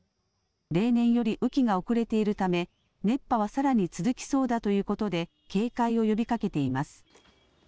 例年より雨期が遅れているため熱波はさらに続きそうだということで警戒を呼びかけています。